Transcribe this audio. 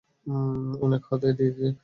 অনেক হতে দিয়েছি।